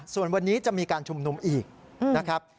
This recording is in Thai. ส่วนวันนี้จะมีการชุมนุมอีกนะครับ